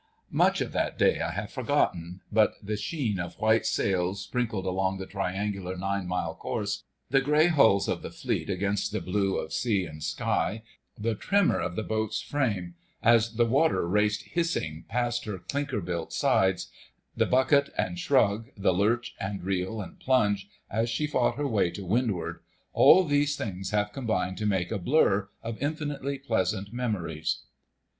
Much of that day I have forgotten. But the sheen of white sails sprinkled along the triangular nine mile course, the grey hulls of the Fleet against the blue of sea and sky, the tremor of the boat's frame as the water raced hissing past her clinker built sides, the bucket and shrug, the lurch and reel and plunge as she fought her way to windward,—all these things have combined to make a blur of infinitely pleasant memories.